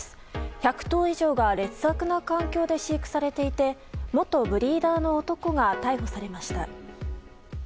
１００頭以上が劣悪な環境で飼育されていて元ブリーダーの男が逮捕されました。